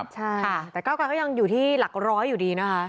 ใช่ค่ะแต่เก้าไกรก็ยังอยู่ที่หลักร้อยอยู่ดีนะคะ